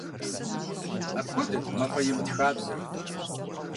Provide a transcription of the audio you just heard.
Апхуэдэт «мафӏэемыт» хабзэр.